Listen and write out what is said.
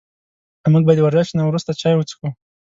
موږ به د ورزش نه وروسته چای وڅښو